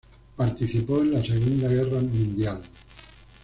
Participó en la Segunda Guerra Mundial.